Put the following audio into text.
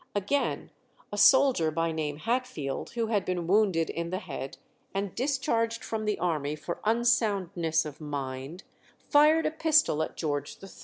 Again, a soldier, by name Hatfield, who had been wounded in the head, and discharged from the army for unsoundness of mind, fired a pistol at George III.